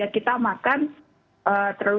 kita makan terlalu